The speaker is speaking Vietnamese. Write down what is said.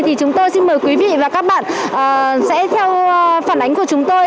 thì chúng tôi xin mời quý vị và các bạn sẽ theo phản ánh của chúng tôi